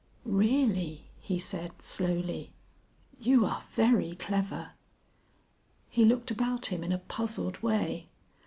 "Really," he said slowly, "you are very clever." He looked about him in a puzzled way.